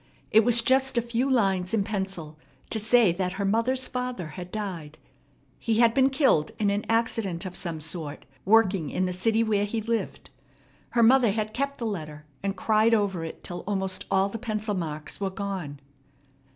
It was just a few lines in pencil to say that her mother's father had died. He had been killed in an accident of some sort, working in the city where he lived. Her mother had kept the letter and cried over it till almost all the pencil marks were gone.